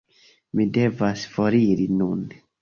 Mi devas foriri nun.